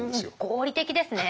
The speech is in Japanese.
合理的ですね！